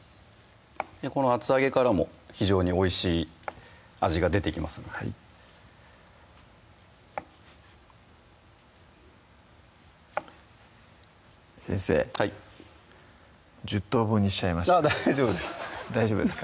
この厚揚げからも非常においしい味が出てきますので先生はい１０等分にしちゃいましたあっ大丈夫です大丈夫ですか？